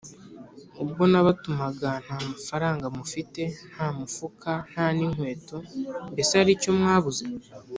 “ubwo nabatumaga nta mafaranga mufite, nta mufuka nta n’inkweto, mbese hari icyo mwabuze?